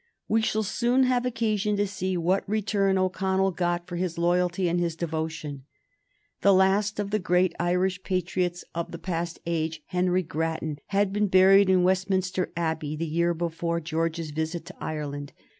We shall soon have occasion to see what return O'Connell got for his loyalty and his devotion. The last of the great Irish patriots of the past age, Henry Grattan, had been buried in Westminster Abbey the year before George's visit to Ireland.